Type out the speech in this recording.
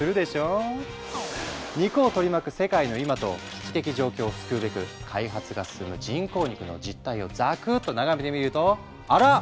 肉を取り巻く世界の今と危機的状況を救うべく開発が進む人工肉の実態をザクッと眺めてみるとあら！